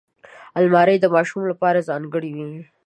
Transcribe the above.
الماري د ماشومانو لپاره ځانګړې وي